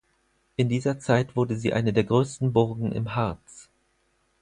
In dieser Zeit wurde sie eine der größten Burgen im Harz.